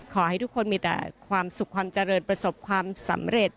ขอให้ทุกคนมีแต่ความสุขความเจริญประสบความสำเร็จ